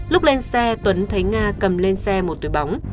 lúc lên xe tuấn thấy nga cầm lên xe một túi bóng